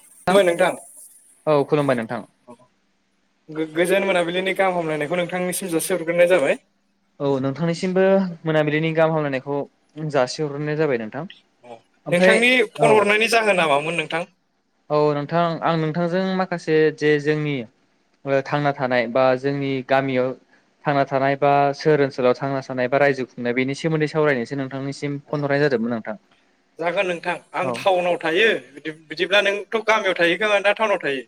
[inaudible] नोंथां औ खुलुमबाय नोंथां गोजोन मोनाबिलिनि गाहाम हामलायनायखौ नोंथां थांनिसिम जसि हरग्रोनाय जाबाय औ नोंथांनिसिमबो मोनाबिलिनि गाहाम हामलायनायखौ जासिहरग्रोनाय जाबाय नोंथां अ ओमफ्राय नोंथांनि औ फन हरनायनि जाहोना मामोन नोंथां औ नोंथां आं नोंथांजों माखासे जे जोंनि ओ थांना थानाय बा जोंनि गामियाव थांना थानाय बा सोहर ओनसोलाव थांना थानाय बा रायजो खुंनाय बेनि सोमोन्दै सावरायनोसो नोंथांनिसिम फन हरनाय जादोंमोन नोंथां जागोन नोंथां औ आं टाउनाव थायो बिदिब्ला नोंथ गामियाव थाहैखा ना टाउनाव थायो।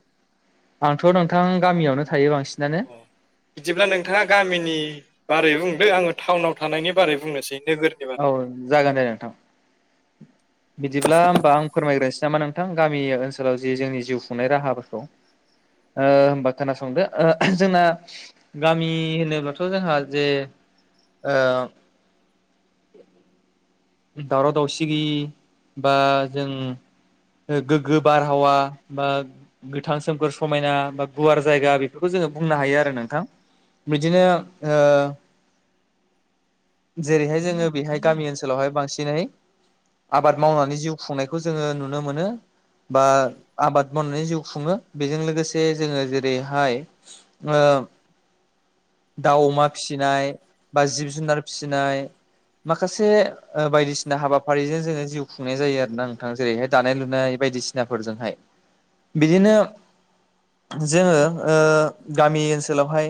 आंथ नोंथां गामियावनो थायो बा अ बिदिब्ला नोंथाङा गामिनि बारै बुंदों आङो टाउनाव थानायनि बारै बुंनोसै नोगोरनि औ बारै जागोन दे नोंथां बिदिब्ला होमबा आं फोरमायग्रोस नामा नोंथां गामि ओनसोलाव जि जोंनि जिउ खुंनाय राहाफोरखौ। ओ होनबा खोनासंदो ओ जोंना गामि होनोबथ जोंहा जे। ओ [inaudible] दावराव दावसि गैयि बा जों गोगो बारहावा बा गोथां सोमखोर समायना बा गुवार जायगा बेफोरखौ जोङो बुंनो हायो आरो नों थां बिदिनो जेरैहाय जोङो बेहाय गामि ओनसोलावहाय बांसिनै आबाद मावनानै जिउ खुंनायखौ जोङो नुनो मोनो बा आबाद मावनानै जिउ खुङो बेजों लोगोसे जोङो जेरैहाय ओ। [inaudible] दाउ अमा फिसिनाय बा जिब जुनार फिसिनाय माखासे ओ बायदिसिना हाबाफारिजों जोङो जिउ खुंनाय जायो आरो ना नोंथां जेरैहाय दानाय लुनाय बायदिसिनाफोरजोंहाय। बिदिनो जोङो ओ गामि ओनसोलावहाय।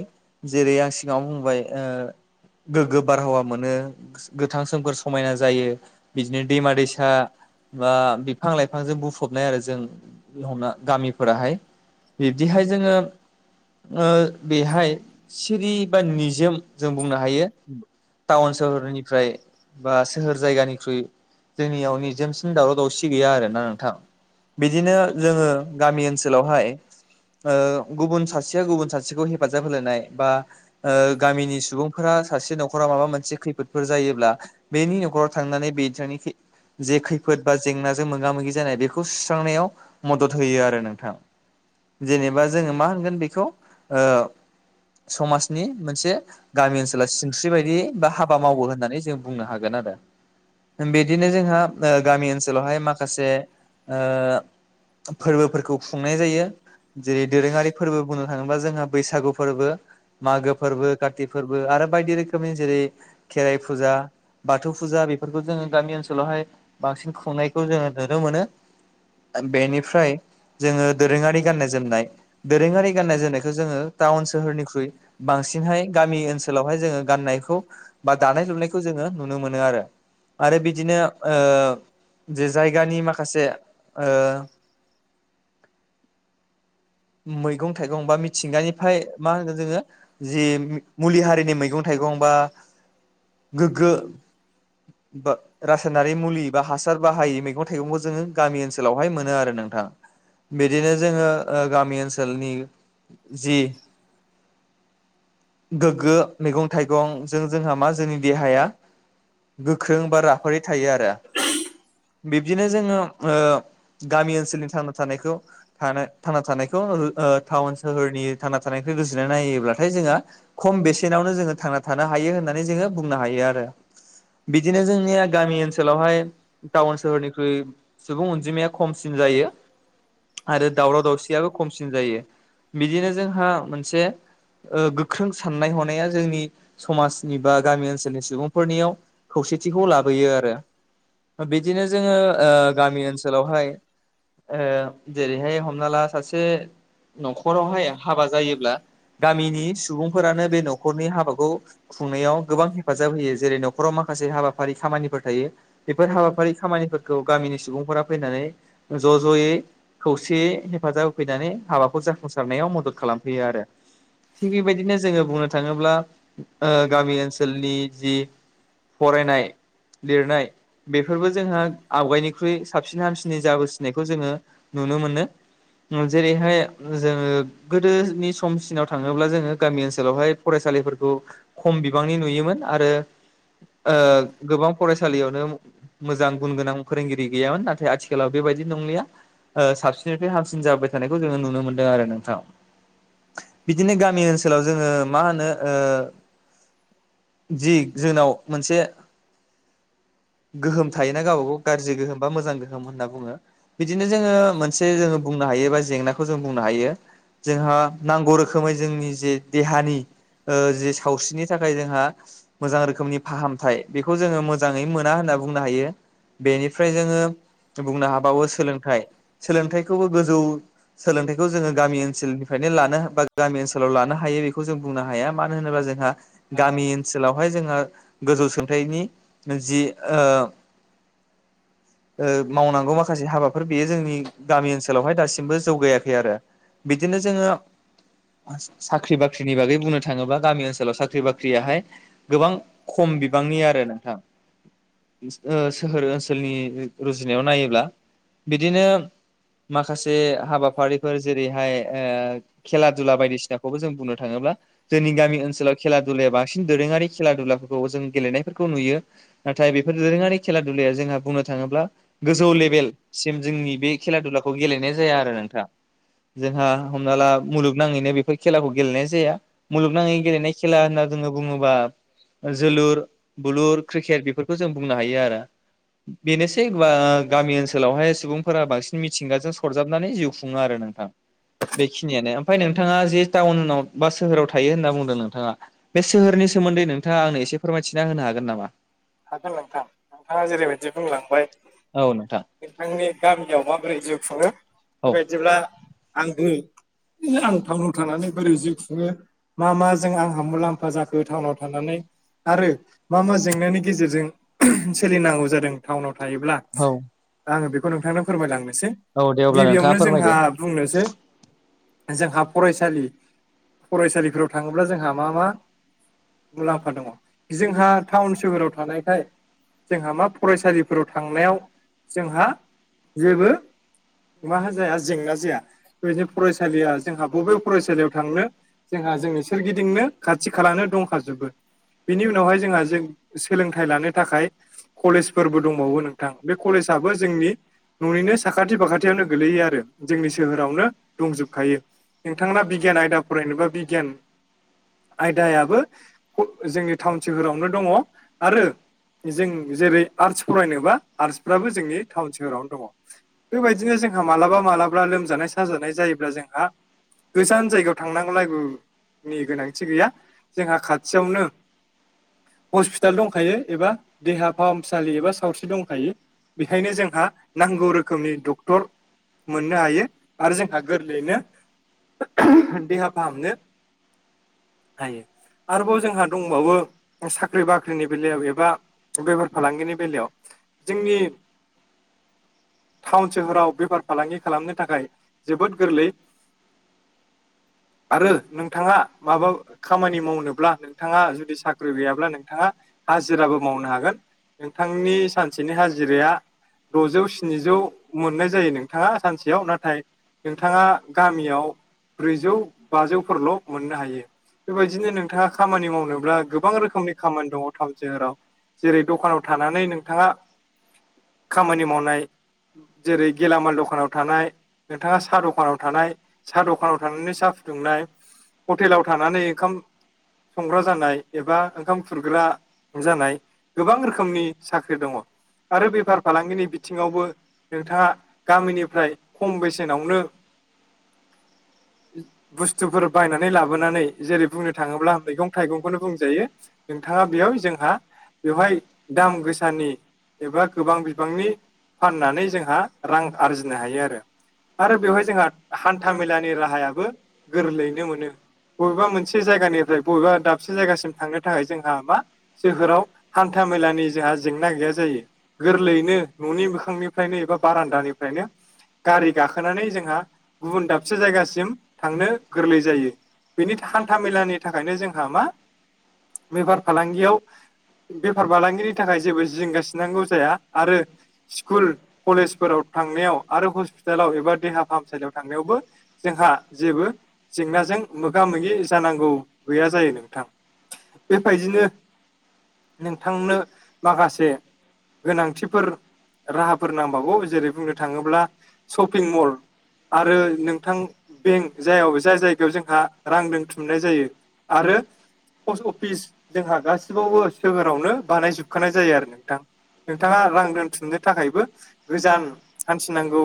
जेरै आं सिगाङाव बुंबाय ओ गोगो बारहावा मोनो गोथां सोमखोर स। मायना जायो बिदिनो दैमा दैसा बा बिफां लाइफांजों बुफबनाय आरो जों गामिफोराहाय बिब्दिहाय जोङो ओ बेहाय सिरि बा निजोम जों बुंनो हायो टाउन सोहोरनिफ्राय बा सोहोर जायगानिख्रुइ जोंनियाव निजोमसिन दावराव दावसि गैया आरोना नोंथां बिदिनो जोङो गामि ओनसोलावहाय ओ गुबुन सासेया गुबुन सासेखौ हेफाजाब होलायनाय बा ओ गामिनि सुबुंफोरा सासे न'खराव माबा मोनसे खैफोदफोर जायोब्ला बेनि न'खराव थांनानै बेथांनि ख जे खैफोद बा जेंनाजों मोगा मोगि जानाय बेखौ सुस्रांनायाव मदद होयो आरो नोंथां जेनेबा जोङो मा होनगोन बेखौ ओ नि मोनसे गामि ओनसोला सिनस्रि बायदि बा हाबा मावो होननानै जों बुंनो हागोन आरो बेदिनो जोंहा ओ गामि ओनसोलावहाय माखासे ओ फोरबफोरखौ खुंनाय जायो जेरै दोरोङारि फोरबो बुंनो थाङोबा जोंहा बैसागु फोर्बो मागो फोर्बो काति फोर्बो आरो बायदि रोखोमनि जेरै खेराइ फुजा बाथौ फुजा बेफोरखौ जोङो गामि ओनसोलावहाय बांसिन खुंनायखौ जोङो नुनो मोनो बेनिफ्राय जोङो दोरोङारि गाननाय जोमनाय दोरोङारि गाननाय जोमनायखौ जोङो टाउन सोहोरनिख्रुइ बां सिनहाय गामि ओनसोलावहाय जोङो गाननायखौ बा दानाय लुनायखौ जोङो नुनो मोनो आरो आरो बिदिनो ओ जे जायगानि माखसे ओ मैगं थाइगं बा मिथिंगानिफाय मा होनो जोङो जि मुलि हारिनि मैगं थाइगं गं बा गोग्गो बा रासायनारि मुलि बा हासार बाहायै मैगं थाइगंखौ जोङो गामि ओनसोलावहाय मोनो आरो नोंथां बिदिनो जोङो ओ गामि ओनसोलनि जि गोग्गो मैगं थाइगंजों जोंहा मा जोंनि देहाया गोख्रों बा राफोदै थायो आरो बिब्दिनो जोङो ओ गामि ओनसोलनि थांना थानायखौ थानो थांना थानायखौ ओ टाउन सोहोरनि थांना थानायखौ रुजुनाय नायोब्लाथाय जोंङो खम बेसेनावनो जोङो थांना थानो हायो होननानै जोङो बुंनो हायो आरो बिदिनो जोंनिया गामि ओनसोलावहाय टाउन सोहोरनिख्रुइ सुबुं अनजिमाया खमसिन जायो आरो दावराव दावसि याबो खमसिन जायो बिदिनो जोंहा मोनसे ओ गोख्रों साननाय हनाया जोंनि समाजनि बा गामि ओनसोलनि सुबुंफोरनियाव खौसेथिखौ लाबोयो आरो बिदिनो जोङो ओ गामि ओनसोलावहाय ओ जेरैहाय हमना ला सासे नखरावहाय हाबा जायोब्ला गामिनि सुबुं फोरानो बे नखरनि हाबाखौ खुंनायाव गोबां हेफाजाब होयो जेरै नखराव माखासे हाबाफारि खामानि फोर थायो बेफोर हाबाफारि खामानिफोरखौ गामिनि सुबुंफोरा फैनानै ज जयै खौसे फाजाब होफैनानै हाबाखौ जाफुंसारनायाव मदद खालामफैयो आरो थि बेबायदिनो जोङो बुंनो थाङोब्ला ओ गामि ओनसोलनि जि फरायनाय लिरनाय बेफोरबो जोंहा आवगायनिख्रुइ साबसिन हामसिनै जाबोसिनायखौ जोङो नु नुनो मोनो जेरैहाय जोङो गोदोनि समसिनाव थाङोब्ला जोङो गामि ओनसोलावहाय फरायसालिफोरखौ खम बिबांनि नुयोमोन आरो ओ गोबां फरायसालियावनो मोजां गुन गोनां फोरोंगिरि गैयामोन नाथाय आथिखालाव बेबाय बायदि नंलिया ओ साबसिननिफ्राय हामसिन जाबोबाय थानायखौ जोङो नुनों मोन्दों आरो नोंथां बिदिनो गामि ओनसो सोलाव जोङो मा होनो ओ? जि जोंनाव मोनसे गोहोम थायोना गावबा गाव गाज्रि गोहोम बा मोजां गोहोम होनना बुङो बिदिनो जोङो मोनसे जोङो। एबा जेंनाखौ जों बुंनो हायो जोंहा नांगौ रोखोमै जोंनि जे देहानि ओ जि सावस्रिनि थाखाय जोंहा मोजां रोखोमनि फाहामथाय बेखौ जोङो मोजाङै मोना होनना बुंनो हायो बेनिफ्राय जोङो बुंनो हाबावो सोलोंथाइ सोलोंथाय। खौ गोजौ सोलोंथाइखौ जोङो गामि ओनसोलनिफ्रायनो लानो बा गामि ओनसोलाव लानो हायो बेखौ जों बुं नो हाया मानो होनोबा जोंहा गामि ओनसोलावहाय जोंहा गोजौ सोलोंथाइनि जि ओ ओ मावनांगौ माखासे हाबाफोर बेयो जोंनि गामि ओनसोलावहाय दासिमबो जौगायाखै आरो बिदिनो जोङो। साख्रि बाख्रिनि बागै बुंनो थाङोब्ला गामि ओनसोलाव साख्रि बाख्रियाहाय गोबां खम बिबांनि आरो। नोंथां। सोहोर ओनसोलनि रुजुनायाव नायोब्ला बिदिनो। माखासे हाबाफारिफोर जेरैहाय खेला दुला बायदिसिनाखौबो जों बुंनो थाङोब्ला जोंनि गामि ओनसोलाव खेला दुलाया बांसिन दोरोङारि खेला दुलाफोरखौ जों गेलेनायफोरखौ नुयो। नाथाय बेफोर दोरोङारि खेला दुलाया जोंहा बुंनो थाङोब्ला गोजौ लेभेलसिम। जोंनि बे खेला दुलाखौ गेलेनाय जाया आरो नोंथाङा। जोंहा हमना ला मुलुगनाङैनो बेफोर खेलाखौ गेलेनाय जाया मुलुगनाङै गेलेनाय खेला होननानै जोङो बुङोबा जोलुर बुलुर क्रिकेट बेफोरखौ जों बुंनो हायो आरो। बेनोसै बा गामि ओनसोलावहाय सुबुं। मिथिंगाजों सरजाबनानै जिउ खुङो आरो नोंथां। बेखिनियानो ओमफ्राय नोंथाङा जे टाउनाव। बा सोहोराव थायो होनना बुंदों नोंथाङा बे सोहोरनि सोमोन्दै नोंथाङा आंनो एसे फोरमायथिना होनो हागोन नामा। हागोन नोंथां नोंथाङा जेरैबायदि। बुंलांबाय औ नोंथां नोंथांनि गामियाव माबोरै जिउ खुङो। औ बेबायदिब्ला आंबो आं टाउनाव थानानै बोरै जिउ खुङो। मा मा जों आंहा मुलाम्फा जाखो टाउनाव थानानै आरो मा मा जेंनानि गेजेरजों सोलिनांगौ जादों टाउनाव। थायोब्ला औ आङो बेखौ नोंथांनो फोरमायलांनो। औ दे अब्ला नोंथाङा गिबियावनो जोंहा फोरमायदो। बुंनोसै जोंहा फरायसालि फरायसालिफोराव थाङोब्ला जोंहा मा मा। मुलाम्फा दङ जोंहा टाउन सोहोराव थानायखाय। जोंहा मा फरायसालिफोराव थांनायाव जोंहा जेबो मा जाया जेंना जाया बेबायदिनो फरायसालिया जोंहा बबे फरायसालियाव थांनो। जोंहा जोंनि सोरगिदिंनो खाथि खालानो दंखाजोबो। बेनि उनावहाय जोंहा जों सोलोंथाइ लानो थाखाय। कलेजफोरबो दंबावो नोंथां बे कलेजआबो जोंनि न'निनो साखाथि फाखाथियावनो गोगलैयो आरो। जोंनि सोहोरावनो दंजोबखायो नोंथां बिगियान आयदा। फरायनोबा बिगियान आयदायाबो। जोंनि टाउन सोहोरावनो दङ आरो जों जेरै आर्टस फरायनोबा। आर्टसफ्राबो जोंनि टाउन सोरावनो दङ बेबायदिनो जोंहा मालाबा मालाबा लोमजानाय साजानाय जायोब्ला जोंहा [inaudible] थांनांगौ लागुनि गोनांथि गैया जोंहा खाथियावनो। हस्पिटाल दंखायो एबा देहा फाहामसालि एबा सावस्रि दंखायो। बेखायनो जोंहा नांगौ रोखोमनि डक्टर। मोननो हायो आरो जोंहा गोरलैयैनो। देहा फाहामनो हायो। आरोबाव जोंहा दंबावो साख्रि बाख्रिनि बेलायाव एबा बेफार फालांगिनि बेलायाव। जोंनि। टाउन सोहोराव बेफार फालांगि खालामनो थाखाय जोबोद गोरलै। [inaudible] आरो नोंथाङा माबा खामानि मावनोब्ला नोंथाङा जुदि साख्रि गैयाब्ला नोंथाङा हाजिराबो मावनो हागोन नोंथांनि सानसेनि हाजिराया द'जौ स्निजौ मोननाय जायो नोंथाङा सानसेयाव नाथाय नोंथाङा गामियाव ब्रैजौ बाजौफोरल' मोननो हायो। बेबायदिनो नोंथाङा खामानि मावनोब्ला गोबां रोखोमनि खामानि दङ टाउन सोहोराव जेरै दखानाव थानानै नोंथाङा। खामानि मावनाय जेरै गेलामाल दखानाव थानाय नोंथाङा साहा दखानाव थानाय साहा दखानाव सा फदुंनाय हटेलाव थानानै ओंखाम संग्रा जानाय एबा ओंखाम खुरग्रा जानाय गोबां रोखोमनि साख्रि दङ आरो बेफार फालांगिनि बिथिङावबो नोंथाङा [unintelligible] गामिनिफ्राय खम बेसेनावनो [inaudible] बुस्थुफोर बायनानै लाबोनानै जेरै बुंनो थाङोब्ला मैगं थाइगंखौनो बुंजायो नोंथाङा बेयाव जोंहा बेवहाय दाम गोसानि एबा गोबां बिबांनि फाननानै जोंहा रां आरजिनो हायो आरो आरो बेवहाय जोंहा हान्था मेलानि राहायाबो गोरलैयैनो मोनो बबेबा मोनसे जायगानिफ्राय बबेबा दाबसे जायगासिम थांनो थाखाय जोंहा मा सोहोराव हान्था मेलानि जोंहा जेंना गैया जायो गोरलैयैनो न'नि मोखांनिफ्रायनो एबा बारान्दानिफ्रायनो गारि गाखोनानै जोंहा गुबुन दाबसे जायगासिम थांनो गोरलै जायो बेनि हान्था मेलानि थाखायनो जोंहा मा बेफार फालांगियाव बेफार फालांगिनि थाखाय जेबो जिंगासिनांगौ जाया आरो स्कुल कलेजफोराव थांनायाव आरो हस्पिटालाव एबा देहा फाहामसालियाव थांनायावबो जोंहा जेबो जेंनाजों मोगा मोगि जानांगौ गैया जायो नोंथां बेबायदिनो [unintelligible] नोंथांनो माखासे गोनांथिफोर राहाफोर नांबावगौ जेरै बुंनो थाङोब्ला शपिं मल आरो नोंथां बेंक जाय जाय जायगायाव जोंहा रां दोनथुमनाय जायो आरो पस्ट अफिस जोंहा गासिबावबो सोहोरावनो बानायजोबखानाय जायो आरो नोंथां नोंथाङा रां दोनथुमनो थाखायबो गोजान हान्थिनांगौ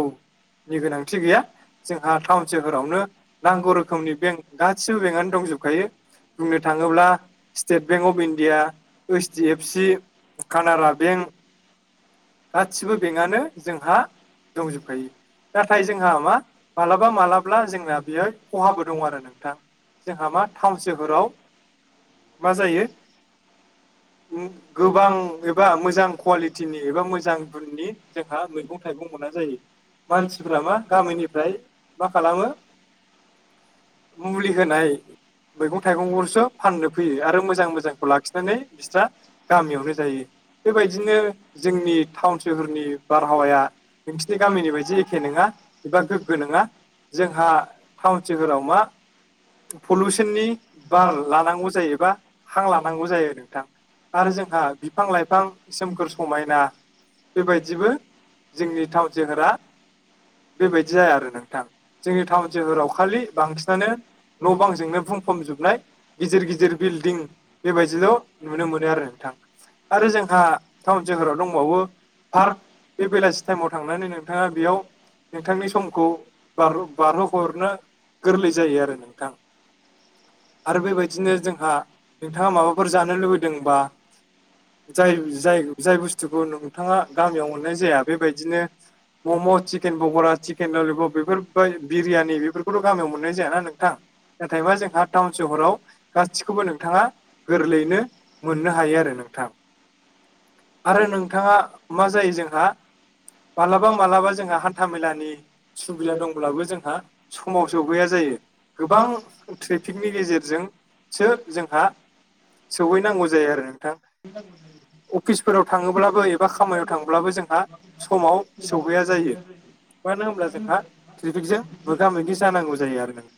नि गोनांथि गैया जोंहा टाउन सोहोरावनो नांगौ रोखोमनि बेंक गासिबो बेंकआनो दंजोबखायो बुंनो थाङोब्ला स्टेट बेंक अफ इण्डिया [unintelligible] ओइस D F C Canara bank [unintelligible] गासिबो बेंकआनो जोंहा दंजोबखायो नाथाय जोंहा मा मालाबा मालाबा माब्ला जोंना बेहाय खहाबो दं आरो नोंथां जोंहा मा टाउन सोहोराव [unintelligible] थारै उम गोबां एबा मोजां कुवालिटिनि एबा मोजां गुननि जोंहा मैगं थाइगं मोना जायो मानसिफ्रा मा गामिनिफ्राय मा [unintelligible] मुलिहोनाय मैगं थाइगंखौसो फाननो फैयो आरो मोजां मोजांखौ लाखिनानै बिस्रा गामियावनो जायो बेबायदिनो जोंनि टाउन सोहोरनि बारहावाया नोंसिनि गामिनि बायदि एखे नङा एबा गोग्गो नङा जोंहा टाउन सहोराव मा पलिउसननि बार लानांगौ जायोबा हां लानांगौ जायो नोंथां आरो जोंहा बिफां लाइफां सोमखोर समायना बेबायदिबो [unintelligible] जोंनि टाउन सोहोरा बेबायदि जाया आरो नोंथां जोंनि टाउन सोहोराव खालि बांसिनानो न' बांजोंनो बुंफबजोबनाय गिदिर गिदिर बिल्डिं बेबायदिल' नुनो मोनो आरो नोंथां आरो जोंहा टाउन सोहोराव दंबावो पार्क बे बेलासि टाइमाव थांनानै नोंथाङा बेयाव नोंथांनि समखौ बार बारहोहरनो गोरलै जायो आरो नोंथां आरो बेबायदिनो जोंहा नोंथांङा माबाफोर जानो लुबैदोंबा जाय जाय जाय बुस्थुखौ नोंथाङा गामियाव मोननाय जाया बेबायदिनो मम', चिकेन पक'रा, चिकेन ललिपब बेफोर ओमफ्राय बिरियानि बेफोरखौथ' गामियाव मोननाय जायाना नोंथां नाथायबा जोंहा टाउन सहराव गासिखौबो नोंथाङा गोरलैयैनो मोननो हायो आरो नोंथां आरो नोंथांङा मा जायो जोंहा मालाबा मालाबा जोंहा हान्था - मेलानि सुबिदा दंङ अब्लाबो जोंहा समावसो सौहैया जायो गोबां ट्रि पिकनि गेजेरजोंसो जोंहा सहैनांगौ जायो आरो [unintelligible] अफिसफोराव थांङोब्लाबो एबा खामानियाव थांङोब्लाबो जोंहा समाव सहैया जायो मानो होनोमब्ला जोंहा ट्रेफिकजों मोगा - मोगि जानांगौ जायो आरो नोंथां